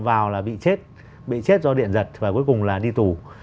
vào là bị chết bị chết do điện giật và cuối cùng là đi tù